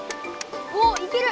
おっいける！